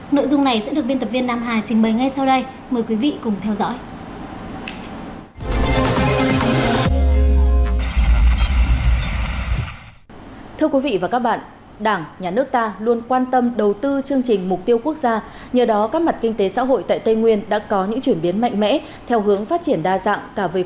nội dung này sẽ được viên tập viên nam hà trình bày ngay sau đây mời quý vị cùng theo dõi